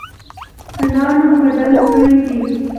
ثنا نوم بدل کړی دی.